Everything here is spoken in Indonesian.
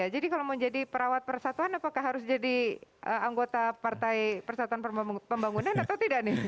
jadi kalau mau jadi perawat persatuan apakah harus jadi anggota partai persatuan pembangunan atau tidak nih